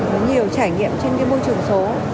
có nhiều trải nghiệm trên cái môi trường số